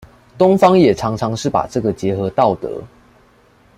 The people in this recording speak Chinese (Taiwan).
東方也常常是把這個結合道德